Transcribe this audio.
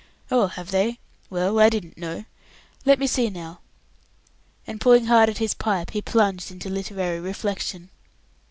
"Oh, have they? Well, I didn't know; let me see now." And pulling hard at his pipe, he plunged into literary reflection.